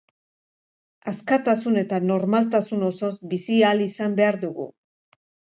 Askatasun eta normaltasun osoz bizi ahal izan behar dugu.